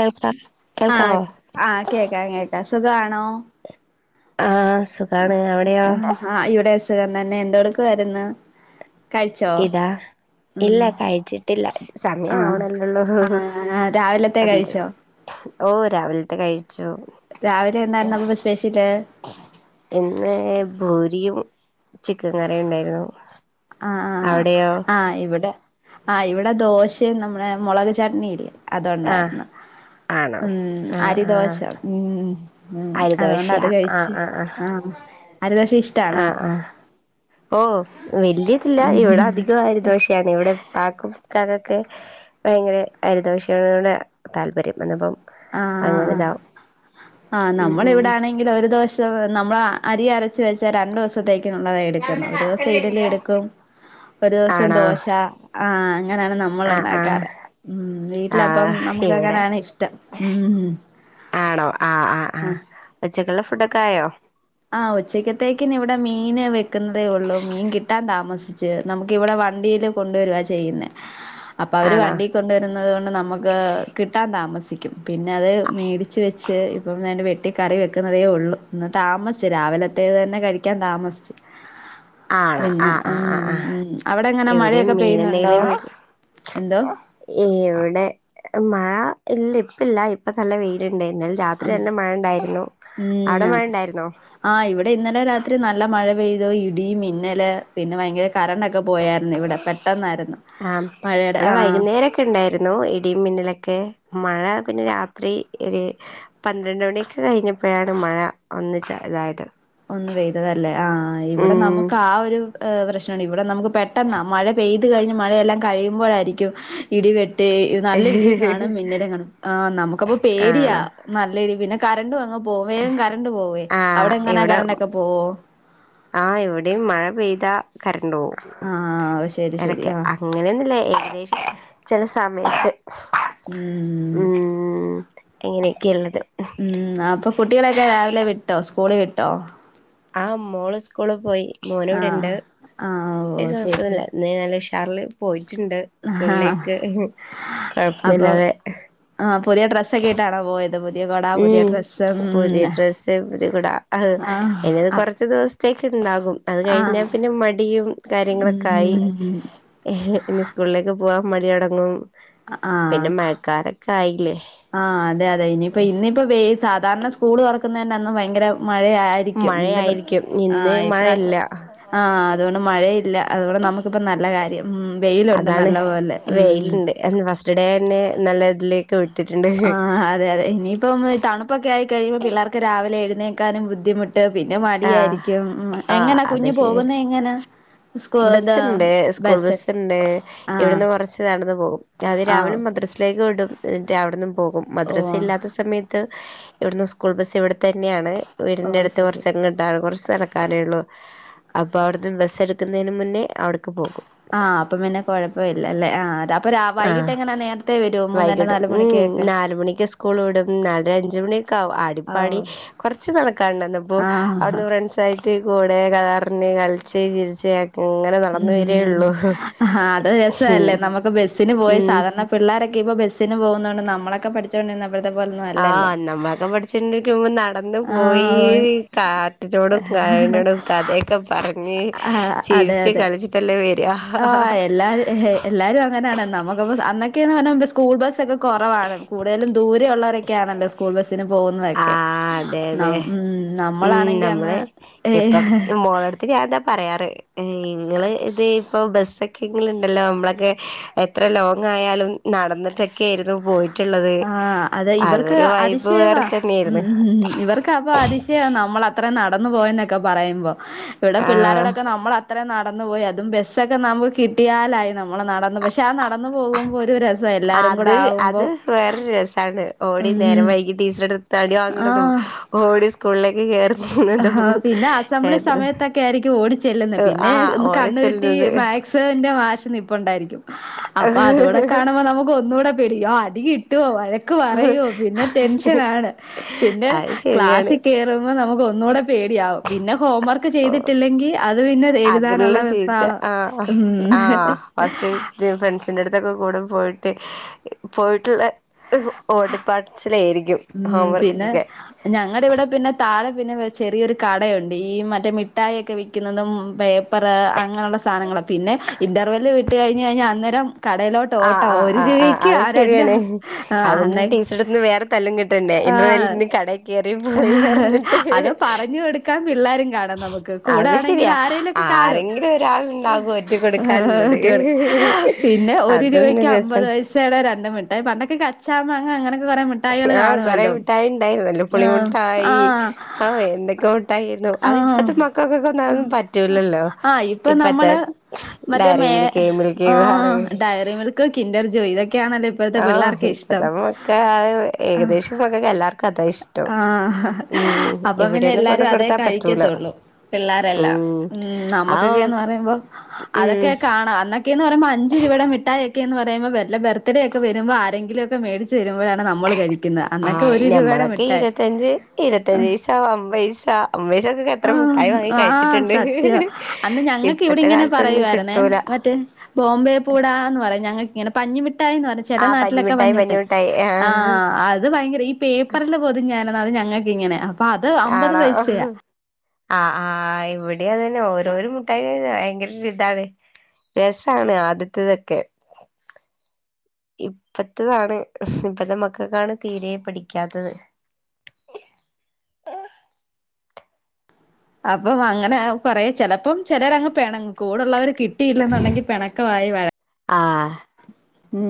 കേൾക്കാം ആ കേൾക്കാവോ ആ കേക്കാം കേക്കാം സുഖാ ണോ ആ സു ആ ഇവിടെ സുഖം തന്നെ എന്തെടുക്കുവായിരുന്നു കഴിച്ചോ? ഇതാ ഉം ഇല്ല കഴിച്ചിട്ടില്ല സമയം ആഹ് ആവണല്ലോള്ളൂ ആഹ് രാവിലത്തെ പന്ത്ര് കഴിച്ചോ ഓ രാവിൽത്തെ കഴിച്ചു രാവിലെ എന്തായിരുന്നു അപ്പോ സ്പെഷ്യല് ഇന്ന് പൂരിയും ചിക്കൻ കറി ഉണ്ടായിരുന്നു ആ ആ അവിടെയോ ആ ഇവിടെ ആ ഇവിടെ ദോശയും നമ്മുടെ മുളക് ചട്നി ഇല്ലേ ആഹ് അതൊണ്ടായിരുന്നു ആണോ ഉം ആഹ് അരി ദോശ ആഹ് ഉം ഉം അരിദോശ അതുകൊണ്ട് അത് ആഹ് കഴിച്ച് ആ അരി ദോശ ഇശ് ആ ആ ഓ വല്യതില്ല ഇവിടെ അധികോ അരി ദോശ തണ് ഇവിടെ ഇത്തക്കും ഇക്കാക്കൊക്കെ ഭയങ്കര അരി ദോശയോട് താല്പര്യം അന്നപ്പം ആഹ് അങ്ങനെതാ ആഹ് നമ്മള് വിടെ ആണെങ്കിൽ ഒരു ദിവസം നമ്മള് അരി അര ച്ച് വെച്ചാ രണ്ടു ദിവസത്തേക്ക് ഉുള്ളതാ എടുക്കുന്നത് ഒരു ദിവസം ഇഡലി എടുക്കും ഒരു ദിവസം ആണോ ദോശ ആ അങ്ങനെയാണണം ആഹ് ആഹ് മ്മളുണ്ടാക്കാറ് ഉം വീട്ടിലപ്പം ആഹ് നമ്മുക്ക് ഇവിടെ അങ്ങനെ ആണ് ഇഷ്ടം ഉം ആണോ ആ ആ ആ ആഹ് ഉച്ചക്കുള്ള ഫുഡൊക്കെ ആയോ ആ ഉച്ചക്കത്തേക്ക് നി ഇവിടെ മീൻ വെക്കുന്നതേ ഉള്ളൂ മീൻ കിട്ടാൻ താമസി ച്ച് നമുക്ക് ഇവിടെ വണ്ടിൽ കൊണ്ടുവരുവചെയ്യുന്നെ അപ്പൊ അവര് ആണോ വണ്ടിക് കൊണ്ടു വരുന്നത് കൊണ്ട് നമുക്ക് കിട്ടാൻ താമസിക്കും പിന്നെ അത് മേടിച്ച് വെച്ച് ഇപ്പം എ വെട്ടി കറി വെക്കുന്നതേ ഉള്ളൂ ഇന്ന് താമസിച്ച് രാവിലത്തേത് തന്നെ കഴിക്കാൻ താമസിച്ചു ആണോ പിന്നെ ആഹ് അം ആഹ് ആഹ് ഉം ആഹ് ഉം അവിടെങ്ങനെ ഇവിടെയും മഴയൊക്കെ മീൻ പെയ്യുന്നുണ്ടോ എന്തോ ഏയ് എവിടെ മഴ ഇല്ല ഇപ്പല്ല ഇപ്പ നല്ല വെയിലണ്ടായിരുന്ന രാത്രി ഉം തന്നെ മഴ ഉണ്ടായിരുന്നു ഉം അവിടെ മഴ ഉണ്ടായിരുന്നോ ആ ഇവിടെ ഇന്നലെ രാത്രി നല്ല മഴ പെയ്തു ഇടി മിന്നലെ പിന്നെ ഭയങ്കര കറന്റ്‌ ഒക്കെ ഒക്കെ പോയാര്ന്ന് ഇവിടെ പെട്ടെന്നാര്ന്ന് മഴേടെ ആ ക്കെണ്ടാര്ന്നു ഇടി മിന്നലൊക്കെ മഴ പിന്നെ രാത്രി ഒര് പന്ത്രണ്ട് മണിയൊക്കെ കഴിഞ്ഞപ്പഴാണ് മഴ ഒന്ന് ചാ ഇതായത് ഒന്ന് പെയ്തതല്ലേ ആ ഇവിടെ ഉം നമുക്ക് ആ ഒര് പ്രശ്നണ്ട് ഇവടെ നമക്ക് പെട്ടെന്നാ മഴ പെയ്ത് കഴിഞ്ഞ് മഴയെല്ലാം കഴിയുമ്പോഴായിരിക്കും ഇടിവെട്ടി നല്ല ഇടിയും കാണും മിന്നലും കാണും ആ നമുക്കപ്പൊ പേടിയാ ആണോ നല്ല ഇടി പിന്നെ കരണ്ടു അങ്ങ് പോകും വേഗം കരണ്ട് പോവേ ആഹ് അവിടെ എങ്ങനാ കരണ്ടൊക്കെ പോവോ ആ ഇവിടെയും മഴപെയ്ത കരന്റ് പോകും ആഹ് ശരി ശരി എടക്ക് ആഹ് അങ്ങനെയൊന്നുല്ല ഏകദേശം ചില സമയത്ത് ഉം ഉം ഇങ്ങനെക്കെള്ളത് ഉം അപ്പൊ കുട്ടികളൊക്കെ രാവിലെ വിട്ടോ സ്കൂള് വിട്ടോ ആ മോള് സ്കൂള് പോയി മോന് ആഹ് ഇവടെണ്ട് ആഹ് ഓ ശരി കൊഴപ്പൊന്നുല്ല ഇന്ന് നല്ല ഉഷാർല് പോയിട്ട്ണ്ട് ആഹ് സ്കൂൾലേക്ക് കൊഴപ്പൊന്നുല്ലാതെ ആ പുതിയ ഡ്രസ്ക്കെട്ടാണോ പോയത് പുതിയ കൊട ആ പുതിയ ഉം ഡ്രസ്സ്‌ പുതിയ ഡ്രസ്സ് പുതിയ കുടാ ആഹ് ഇനിത് കൊർച്ച് ദിവസത്തേക്ക്ണ്ടാകും അത് കഴിഞ്ഞാ ആഹ് പിന്നെ മടിയും കാര്യങ്ങളൊക്കായി ഉം ഇനി സ്കൂളിലേക്ക് പോവാൻ മടിയൊടങ്ങും പിന്നെ മഴക്കാലൊക്കായില്ലേ ആ അതെ അതെ ഇനിയിപ്പോ ഇന്നിപ്പ വെ സാധാര്ണ സ്കൂള് തൊറക്കുന്നതി അന്ന് ഭയങ്കര മഴയായിരിക്കും ഇന്ന് പ്ര് മഴയായിരിക്കും ആ ഇന്ന് ഇപ്രാശ്യം മഴയില്ല ആ അതുകൊണ്ട് മഴയില്ല അതുകൊണ്ട് നമുക്കിപ്പ നല്ല കാര്യം ഉം വെയിലുണ്ട് നല്ല പോലെ ഉം എ ഫസ്റ്റ് ഡേന്നെ നല്ല തിലേക്ക് വിട്ട്ട്ട്ണ്ട് അതെതെ ഇനീപ്പം തണുപ്പൊക്കെ ആയി കഴുമ്പോ പിള്ളേർക്ക് രാവിലെ എഴുന്നേക്കാനും ബുദ്ധിമു ട്ട് പിന്നെ ആഹ് മടിയാരിക്കും ഉം ആഹ് എങ്ങനാ കുഞ്ഞ് പോകുന്നെയെങ്ങനാ ബസ്സ്ണ്ട് സ്കൂൾ ബസ്സ്ണ്ട് ആഹ് ഇവിട്ന്ന് കൊർച്ച് നടന്ന് പോകും അതിരാവിലെ ആഹ് മദ്രസ് ലേക്ക് വിടും എൻറ്റ് അവ്ട്ന്നും പോകും മദ്രസ ഓഹ് ഇല്ലാത്ത സമയത്ത് ഇവ്ടുന്ന് സ്കൂൾ ബസ് ഇവിടത്തന്നെയാണ് ഓഹ് വീടിന്റട്ത്ത് ശരി കൊർച്ച് കൊർച്ച് നടക്കാനേള്ളൂ അപ്പൊ അവ്ട്ന്ന് ബസെടുക്കുന്നേന് മുന്നേ അവ്ട്ക്ക് പോകും ആഹ് അപ്പം പിന്നെ കൊഴപ്പവില്ലല്ലേ ആഹ് അപ്പൊ രാ വൈകിട്ട് ആഹ് എങ്ങനെ നേരത്തെ വരുവോ മൂന്നര വൈകീട്ട് നാല് ഉം മണിക്കൊക്കെ നാലുമണിക്കെ സ്കൂൾ വിടും നാലര അഞ്ചുമണി ക്കാവും ആടിപ്പാടി ആഹ് കൊർച്ച് നടക്കാണ്ടാന്നപ്പോ ആഹ് അവ്ട്ന്ന് ഫ്രണ്ട്സായി കൂടെ കഥർഞ്ഞി കളിച്ച് ചിരിച്ച് ഒക്കെങ്ങനെ ഉം ആഹ് അത് ഉം രസാലെ നമ പ്പ ബസ്സിന് പോയി ഉം സാധാരണ പിള്ളാരൊക്കെ ഇപ്പോ ബസ്സിന് പോന്നോണ്ട് നമ്മളൊക്കെ പഠിച്ചോണ്ടിര്ന്നപ്ലത്തെ പോലെ ആഹ് നമ്മളൊക്കെ പഠിച്ചോണ്ടിരിക്കുമ്പോ വന്ന് പോയി ആഹ് കാറ്റിനോടും കാടിനോടും കഥയൊക്കെ പറഞ്ഞ് ആഹ് അതെ ചിരിച്ച് അതെ കളിച്ചിട്ടല്ലേ വെരാഹഹഹ ആഹ് എല്ലാരും എല്ലാരും അങ്ങനാണ് നമുക്കപ്പം അന്നൊക്കേന്ന് പർഞ്ഞാ സ്കൂൾ ബസ്സൊക്കെ കൊറവാണ് കൂട്തലും ദൂരെ ഉള്ളോരൊ ക്കെ ആണല്ലോ സ്കൂൾ ബസ്സിന് പോകുന്നതൊക്കെ അതെ അതെ ഉം ഉം നമ്മളാണെങ്കി അന്ന് നമ്മള് ഇപ്പം ഏഹ് മോളട്ത്ത് ഞാതാ പറയാറ് ഇങ്ങള് ഇത് ഇപ്പൊ ബസ്സൊക്കെങ്കില്ണ്ടല്ലോ അമ്മളൊക്കെ എത്ര ലോങ്ങായാലും നടന്നിട്ടെക്കേര്ന്നു പോയിട്ട്ള്ളത് ആഹ് അതെ ഇവർക്ക് അതിശയവാ ഉംഉംഹ് ഇവർ ക്കപ്പൊ അതിശയാ നമ്മളത്ര നടന്നു പോയെന്നൊക്കെ പറയുമ്പോ ഇവിടെ ആഹ് പിള്ളാരോടൊക്കെ നമ്മള് അത്രേം നടന്നു പോയി അതും ബസ്സൊക്കെ നമുക്ക് കിട്ടിയാലായി നമ്മള് നടന്ന് പക്ഷെ ആ നടന്നു പോകുമ്പൊരു രസ അത് അത് വെ വേറൊര് രസാണ് ഓടി നേരം ഉം വൈകി ടീച്ചറെട്ത്ത്ന്ന് അടി വാങ്ങ്ണതും ആഹ് ഓടി സ്കൂൾലേക്ക് ഹ്ഹ്ഹ് എത്ര ഒക്കെ ആയിരിക്കും ഓടിച്ചെല്ലുന്നെ പിന്നെ ആഹ് കണ്ണുരുട്ടി ഓടിച്ചെല്ലുന്നത് മാക്സിന്റെ മാഷ് നിപ്പുണ്ടായിരിക്കും അപ്പൊ അതൂടെ കാണുമ്പോ നമുക്ക് ഒന്നൂടെ പേടിക്കും യോ അടി കിട്ടുവോ വഴക്ക് പറയോ പിന്നെ ടെൻഷനാണ് പിന്നെ അത് ശരിയാണ് ക്ലാസ്സിൽ കേറി റുമ്പ നമുക്കൊന്നൂടെ പേടിയാവും പിന്നെ ഹോം വർക്ക് ചെയ്തിട്ടില്ലെങ്കി അത് അതിലുള്ള പിന്നെതെഴുതാനുള്ള ചീത്ത വെപ്പ്രാളം ഉംഹ് ഫ്രണ്ട്സിൻ്റടുത്തൊക്കെ കൂടെ പോയിട്ടെ പോയിട്ടുള്ള ഓടിപാച്ച്ലായിരിക്കും ഉം പിന്നെ ഞങ്ങടിവിടെ പിന്നെ താഴെ പിന്നെ ചെറിയൊരു കടയൊണ്ട് ഈ മറ്റേ മിഠായൊക്കെ വിക്കുന്നതും പറ് അങ്ങനൊള്ള സാനങ്ങള പിന്നെ ഇൻ്റർവെല് വിട്ട് കഴിഞ്ഞഴിഞ്ഞാ അന്നേരം കടേലോട്ട് ഓട്ട ആഹ് ആഹ് ഒരു ആഹ് ആഹ് രൂപക്ക് ആ രണ്ട് ആഹ് ഇവിടുന്ന് വേറെ തല്ലും കിട്ടണ്ടെ ഇന്റർവെല്ലിന് കടെ ഹ്ഹ്ഹ അത് പറഞ്ഞു കൊടുക്കാൻ പിള്ളാരും കാണാം നമുക്ക് അത് കൂടാണെങ്കി ശരിയാ ആരേലും ലൊക്കെ കാണും ആരെങ്കിലും ഒരാൾ ഉണ്ടാകും ഒറ്റ കൊടുക്കാനുള്ളത് ഒറ്റുകൊടു പിന്നെ ഒ ഒരു അതൊന്നും രൂപയ്ക്ക് രസം അമ്പത് പൈസേടെ രണ്ട് മിട്ടായി പണ്ടൊക്കെ കച്ചാമാങ്ങ അങ്ങനൊക്കെ കൊറേ മിട്ടാ ആഹ് കൊറേ മിട്ടായി ഉണ്ടായിരുന്നല്ലോ ആഹ് പുളിമിട്ടായി ആഹ് ആ എന്തൊക്കെ മിട്ടായിരുന്നു അത് ആഹ് ഇപ്പത്തെ മക്കൾക്കൊക്കെ പറ്റ പറ്റൂല്ലല്ലോ ആഹ് ഇപ്പൊ ഇപ്പത്തെ നമ്മള് മറ്റേ മേ Dairy Milk milky bar Kinder Joy ഇതക്കെയാണല്ലേ ആഹ് ഇപ്പത മക്ക ഏകദേശം മക്കക്കെല്ലാർക്കും അതായിഷ് ആഹ് അപ്പ പ്പിന്നെ കൊണ്ട് എല്ലാരും അതേ കൊടുത്താൻ പറ്റൂല കഴിക്കത്തൊള്ളൂ പിള്ളാരെല്ലാം ഉം ആ നമ്മുക്കെക്കേന്ന് പറയുമ്പോ ഉം അതൊക്കെ കാണാം ക്കേന്നറയുമ്പൊ അഞ്ച് രൂപയുടെ മിഠായിയൊക്കേന്നറയുമ്പൊ വെല്ലെ ബർത്ത്ഡേയൊക്കെ വെരുമ്പോ ആരെങ്കിലൊക്കെ മേടിച്ച് തരുമ്പഴാണ് നമ്മള് കഴിക്ക് ന്നെ അന്നക്കെ ഒരു രൂപയുടെ മി ഇരുവത്തഞ്ച് ഇരുവത്തഞ്ചെയ്സാ അമ്പൈസാ അമ്പയ്സക്കൊക്കെത്ര ആഹ് മിഠായി വാങ്ങി ആഹ് കഴിച്ചിട്ട്ണ്ട് സത്യവാ അന്ന് ഞങ്ങക്ക് ഇവിടെയിങ്ങനെ പറയുവായിരുന്നേ കിട്ടൂല മറ്റേ ബോംബെ പൂട എന്ന് പറയും ഞങ്ങക്ക്ങ്ങെനെ പഞ്ഞി മിഠായീന്ന് പറയു ചേലെ ആഹ് നാട്ട്ലൊക്കെ പഞ്ഞിമിഠായി പഞ്ഞി മിഠായി പഞ്ഞിമിഠായി ആ ആഹ് അത് ഭയങ്കര ഈ പേപ്പറില് പൊതിഞാര്ന്നെ അത് ഞങ്ങക്കിങ്ങെനെ അപ്പൊ അത് അമ്പത് പൈസയാ ആഹാ ആഹ് ഇവിടിയതന്നെ ഓരോരു മുട്ടായി ഭയങ്കരൊരുതാണ് രെസാണ് ആദ്യത്തതെക്കെ ഇപ്പെത്തെതാണ് ഇപ്പത്തെ മക്കക്കാണ് തീരെ പിടിക്കാത്തത് അപ്പം അങ്ങനെ കൊറേ ചെലപ്പം ചെലരങ്ങ് പിണങ്ങും കൂടൊള്ളവര് കിട്ടി യില്ലെന്നുണ്ടെങ്കി പെണക്കവായി വഴക്കാ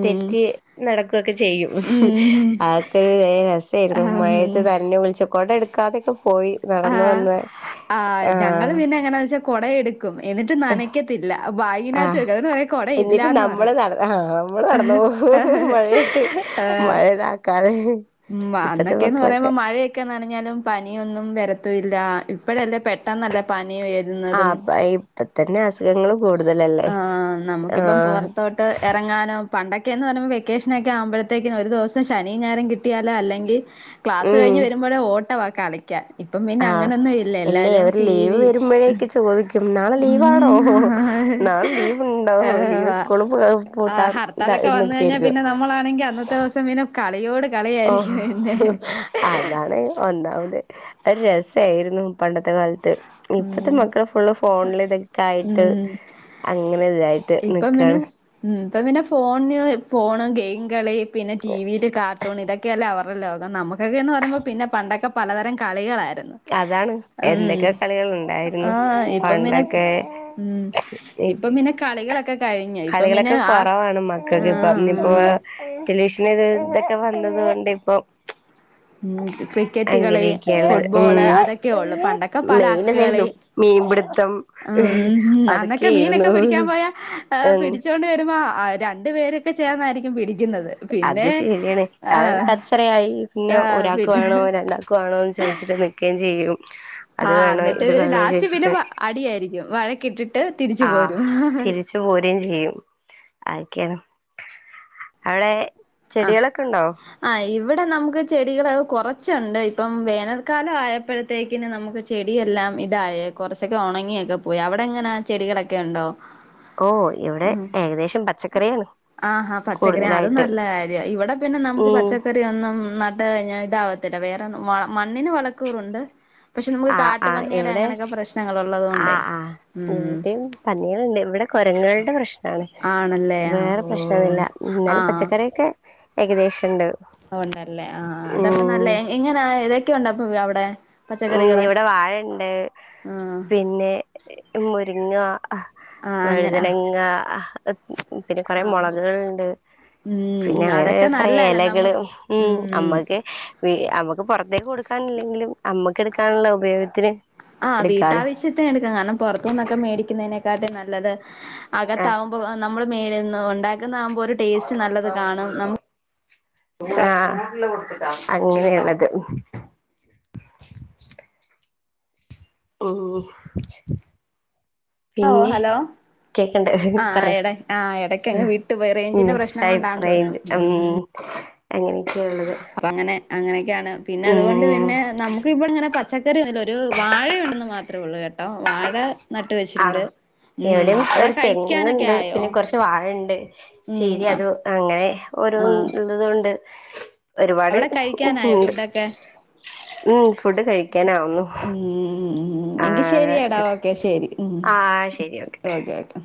തെറ്റി നടക്കുവൊക്കെ ചെയ്യും ഉം ഉം അഹെക്കൊരു രസേയിരുന്നു മഴയത്ത് നൻഞ്ഞ് കുൾച്ച് കൊടയെട്ക്കാതെക്കെ പോയി നടന്ന് ആഹ് വന്ന് ആഹാ കൊടയെടു ക്കും എന്നിട്ട് നനക്കത്തില്ല അത് ബാഗിനാത്ത് ആഹ് വെക്കും എന്നിട്ട് പറയും കൊടയില്ലാ എന്നിട്ട് നമ്മള് നടന്ന ആഹ നമ്മള് നട്ന്നോവും മഴയെത്ത് ഏഹ് മഴെതാക്കാന് ഉം അന്നൊക്കേന്ന് പറയുമ്പോ മഴയക്കെ നനഞ്ഞാലും പനിയൊന്നും വരത്തുവില്ല ഇപ്പഴല്ലെ പെട്ടെന്നല്ലെ പനി വെര് ന്നതും ആഹ് ഇപ്പ തന്നെ അസുഖങ്ങള് കൂടുതലല്ലേ ആ നമ്ക്കിപ്പം ആഹ് പൊറത്തോട്ടെറങ്ങാനും പണ്ടൊക്കേന്ന് പറയുമ്പോ വെക്കേഷനെക്കെ ആവുമ്പഴത്തേക്കും ഒരു ദിവസം ശനിയും, ഞായറും കിട്ടിയാലെ അല്ലെങ്കി ക്ലാസ് ഉം കഴിഞ്ഞ് വരുമ്പഴെ ഓട്ടവാ കളി ക്കാൻ ഇപ്പപിന്നെ ആഹ് അങ്ങനൊന്നും ഇല്ല ഇല്ലേ എല്ലാരും ഒരു ടി ലീവ് വി വരുമ്പോഴേക്ക് ചോദിക്കും നാളെ ലീവാണോ നാളെ ലീവ് ഉണ്ടോ ലീവ് സ്കൂള് ആഹാ പൂട്ടാൻ ഹർത്താലൊക്കെ വന്ന് കഴിഞ്ഞാ എന്നൊക്കെയായിരിക്കും പിന്നെ നമ്മളാ ണെങ്കി അന്നത്തെ ദിവസം പിന്നെ കളിയോട് കളി ഓഹ് അത് താണ് ഒന്നാമത് അഹൊരു രസായിരുന്നു പണ്ടത്തെ കാലത്ത് ഇപ്പത്തെ ഉം മക്കള് ഫുള്ള് ഫോണില് ഇതൊക്കെ ആയിട്ട് ഉം അങ്ങനെ ഇതായിട്ട് ഇപ്പം പിന്നെ നിക്കാണ് ഉം ഇപ്പപിന്നെ ഫോണ്ന് ഫോണ്, ഗെയിം കളി, പിന്നെ ടി വി യില് കാർട്ടൂൺ ഇതൊക്കെയല്ലെ അവർ ര്‌ടെ ലോകം നമക്കൊക്കേന്ന് പറയുമ്പോ പിന്നെ പണ്ടൊക്കെ പലതരം കളികളാര്ന്നു അതാണ് എന്തൊക്കെ കളികള്ണ്ടായിരുന്നു ആഹ് ഇപ്പം പിന്നെ പണ്ടൊക്കെ ഉം ഇപ്പം [unintelligible] പിന്നെ കളികളൊക്കെ കഴിഞ്ഞു ഇപ്പം പിന്നെ കളികളെക്കെ ആ കൊറവാണ് മക്കക്കിപ്പം ഇഞ്പ്പാ ആഹ് ടെലിവിഷനിത് ഇതൊക്കെ വന്നത് കൊണ്ടിപ്പം ഉം ക്രിക്കറ്റുകളി, ഉം ഫുട്ബോള്, അതൊക്കെയൊള്ളു പണ്ടൊക്കെ പല അക്ക് കളി മീം പിട്ത്തം ഉം അന്നൊക്കെ മീനൊക്കെ പിടിക്കാം പോയാ ഏഹ് ഉം പിടിച്ചോണ്ട് വരുമ്പോ ആഹ് രണ്ട് പേരൊക്കെ ചേർന്നായിരിക്കും പിടിക്കുന്നത് പിന്നെ അത് ശെര്യാണ് അത് ആഹ് കച്ചറെയായി പിന്നെ ആഹ് ഒരാക്ക് പിന്നെ വേണോ രണ്ടാക്ക് വേണോന്ന് ചോയ്ച്ചിട്ട് നി ക്കേം ചെയ്യും അത് ആഹ് വേണോ അന്നെട്ട് ഇത് പിന്ന വേണോ ലാസ്റ്റ് പിന്നെ ചോദിച്ചിട്ട് പ അടിയാരിക്കും വഴക്കിട്ടിട്ട് തിരിച്ചു പോരും ആഹ് തിരിച്ച് പോരേം ചെയ്യും ആയെക്കേണ് അവടെ ആഹ് ചെടികളെക്കെണ്ടോ? ആഹ് ഇവിടെ നമുക്ക് ചെടികളെക്കെ കൊറച്ച്ണ്ട് ഇപ്പം വേനൽക്കാലം ആയപ്പോഴ ത്തേക്കിന് നമുക്ക് ചെടിയെല്ലാം ഇതായേ കൊറച്ചൊക്കെ ഒണങ്ങിയൊക്കെ പോയി അവിടെങ്ങനാ ചെടികളൊക്കെയുണ്ടോ? ഓ ഇവിടെ ഉം ഏകദേശം പച്ചക്കറിയാണ് ആഹ് ഹാ പച്ചക്കറി അതും കൂടുതലായിട്ട് നല്ലയാ യാ ഇവടെ പിന്നെ നമുക്ക് ഉം പച്ചക്കറി യൊന്നും നട്ട്കഴിഞ്ഞ ഇതാവത്തില്ല വേറൊന്നും വള മണ്ണിന് വളക്കൂറുണ്ട് പക്ഷെ നമുക്ക് ആഹ് ആഹ് കാട്ടുപന്നിയുടെ ഇവിടെ അങ്ങനെയൊക്കെ പ്രശ്നങ്ങള് ഒള്ളത് കൊണ്ടെ ഉം പന്നികള്ണ്ട് ഇവിടെ കൊരങ്ങ്കൾടെ പ്രശ്നാണ് ആണല്ലേ ആ വേറെ ഓ പ്രശ്നൊന്നുല്ല ഉം ഇന്നാലും ആഹ് പച്ചക്കറിയൊക്കെ ഏകദേശൊണ്ട് ഒണ്ടല്ലേ ആഹ് ആഹ് അതപ്പ നല്ലയ എങ്ങ് എങ്ങനാ ഏതൊക്കെയുണ്ടപ്പൊ അവിടെ ഉം പച്ചക്കറികള് ഇവിടെ വാഴേണ്ട് ആഹ് പിന്നെ മുരിങ്ങ അഹ് ആ അങ്ങനെ വഴുതനങ്ങ അഹ് പിന്നെ കൊറെ ആ മൊളകുകൾ ണ്ട് പിന്നെ ഉം അങ്ങനെ അതൊക്കെ കൊറേ നല്ലതല്ലേ എലകള് നമുക്ക് ഉം അമ്മക്ക് [unintelligible] അമ്മക്ക് പൊറത്തേക്ക് കൊടുക്കാനില്ലെങ്കിലും അമ്മക്ക് എടുക്കാനുള്ള ഉപയോഗത്തിന് ആഹ് എടുക്കാലോ വീട്ടാവശ്യത്തിന് എടുക്കാം കാരണം പൊറത്തുന്നൊക്കെ മേടിക്കുന്നതിനേക്കാട്ടിം നല്ലത് ആഹ് അകത്താവുമ്പോ ഏഹ് നമ്മള് മേലെന്ന് ഒണ്ടാക്കുന്നാകുമ്പോ ഒരു ടേസ്റ്റ് നല്ലത് കാണും നമുക് ആഹ് അങ്ങനെയാണത് ഉം [unintelligible] പിന്നെ ഹലോ കേക്കണ്ടേ ആഹ് എട പറഞ്ഞോ ആഹ് എടക്കങ്ങ് വിട്ട് പോയി റേഞ്ചിന്റെ പ്രശ്നം കൊണ്ടാ തോന്നുന്നു ഉം അങ്ങനെക്കെയള്ളത് ഇപ്പ അങ്ങനെ അങ്ങനെക്കെയാണ് പിന്നെ അതുകൊണ്ട് പിന്നെ നമുക്കിപ്പങ്ങനെ പച് ച്ചക്കറിയൊന്നുല്ല ഒരു വാഴയുണ്ടെന്ന് മാത്രേ ഒള്ളു കേട്ടോ അഹ് വാഴ നട്ട് വെച്ചിട്ടുണ്ട് ഉം ഇവിടെം അവിടെ ഒരു കഴിക്കാനൊക്കെ തെങ്ങുണ്ട് ആയോ പിന്നെ കൊറച്ച് വാഴണ്ട് ഉം [unintelligible] അത് അങ്ങനെ ഓരോന്ന് ആഹ് ഇള്ളതുകൊണ്ട് ഒരുപാട് അവിടെ കഴിക്കാനായോ ഉണ്ട് ഫുഡൊക്കെ ഉം ഫുഡ് കഴിക്കാനാവുന്നു ഉം ആ എങ്കി ശരിയെടാ ഓക്കെ ശരി ഉം ആഹ് ശരി ഓക്കെ ഓക്കെ